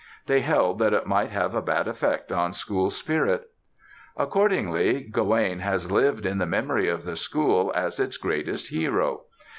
They held that it might have a bad effect on school spirit. Accordingly, Gawaine has lived in the memory of the school as its greatest hero.